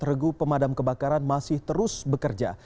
regu pemadam kebakaran masih terus bekerja